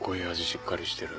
しっかりしてる。